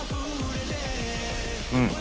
うん。